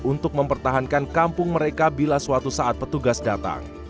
untuk mempertahankan kampung mereka bila suatu saat petugas datang